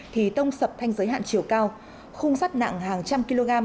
thì tông sập thanh giới hạn chiều cao khung sắt nặng hàng trăm kg